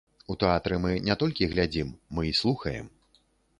У тэатры мы не толькі глядзім, мы і слухаем.